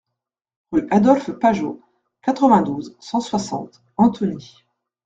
Rue Adolphe Pajeaud, quatre-vingt-douze, cent soixante Antony